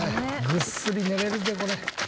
ぐっすり寝られるでこれ。